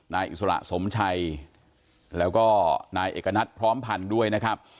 อิสระสมชัยแล้วก็นายเอกณัฐพร้อมพันธ์ด้วยนะครับ